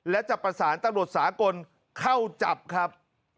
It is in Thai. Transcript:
และจะประสานตำรวจสากลเข้าจับครับ